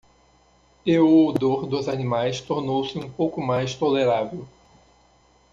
E o odor dos animais tornou-se um pouco mais tolerável.